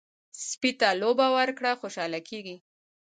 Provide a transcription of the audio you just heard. سپي ته لوبه ورکړه، خوشحاله کېږي.